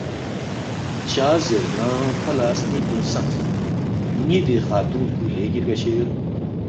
“ چا زیرنہ کھو لہ سنِنگ پِنگ خسمس، ”ن٘ی دِی خاتُون پو لیگی رگشے یود